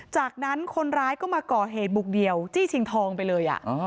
จากนั้นคนร้ายก็มาก่อเหตุบุกเดี่ยวจี้ชิงทองไปเลย